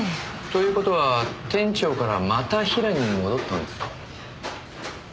という事は店長からまたヒラに戻ったんですか？